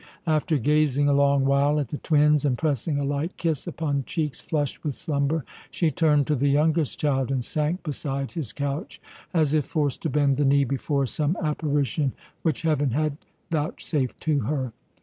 After gazing a long while at the twins, and pressing a light kiss upon cheeks flushed with slumber, she turned to the youngest child and sank beside his couch as if forced to bend the knee before some apparition which Heaven had vouchsafed to her.